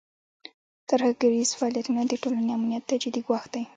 ترهګریز فعالیتونه د ټولنې امنیت ته جدي ګواښ دی.